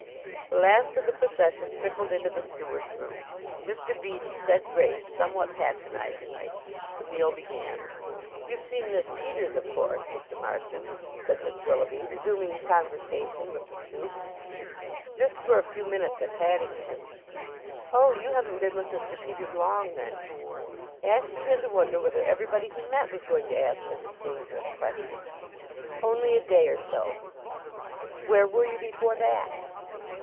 The last of the procession trickled into the steward's room. Mr. Beach said grace somewhat patronizingly. The meal began. "You've seen Miss Peters, of course, Mr. Marson?" said Miss Willoughby, resuming conversation with the soup. "Just for a few minutes at Paddington." "Oh! You haven't been with Mr. Peters long, then?" Ashe began to wonder whether everybody he met was going to ask him this dangerous question. "Only a day or so." "Where were you before that?"